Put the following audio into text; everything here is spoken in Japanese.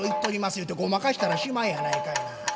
言うてごまかしたらしまいやないかいな。